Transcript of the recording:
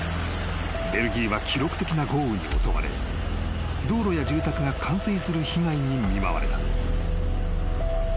ベルギーは記録的な豪雨に襲われ道路や住宅が冠水する被害に見舞われた］